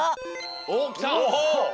おっきた。